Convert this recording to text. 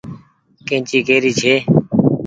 ڪيئنچي ڪي ري ڇي ۔